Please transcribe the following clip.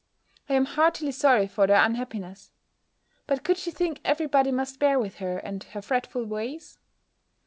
I am heartily sorry for their unhappiness. But could she think every body must bear with her, and her fretful ways?